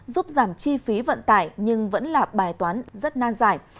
giúp giảm chi phí vận tải nhưng vẫn là bài toán rất nan giải